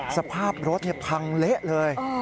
สภาพรถพังเละเลย